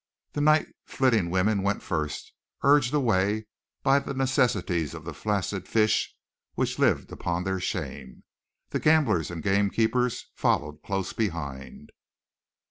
The night flitting women went first, urged away by the necessities of the flaccid fish which lived upon their shame. The gamblers and gamekeepers followed close behind.